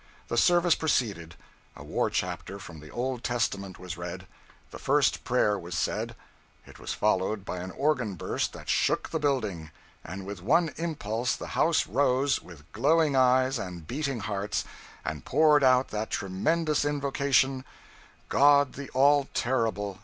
The service proceeded; a war chapter from the Old Testament was read; the first prayer was said; it was followed by an organ burst that shook the building, and with one impulse the house rose, with glowing eyes and beating hearts, and poured out that tremendous invocation God the all terrible!